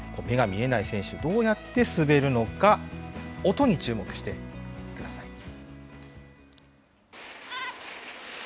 目が見えない選手、どうやって滑るのか、音に注目してください。